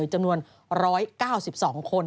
จำนวน๑๙๒คน